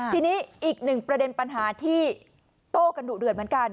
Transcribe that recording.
ทีนี้อีกหนึ่งประเด็นปัญหาที่โต้กันดุเดือดเหมือนกัน